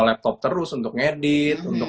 laptop terus untuk ngedit untuk